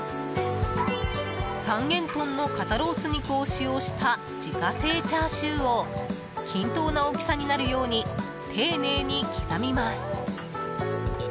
三元豚の肩ロース肉を使用した自家製チャーシューを均等な大きさになるように丁寧に刻みます。